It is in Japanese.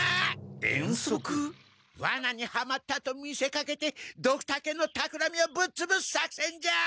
ワナにはまったと見せかけてドクタケのたくらみをぶっつぶす作戦じゃ！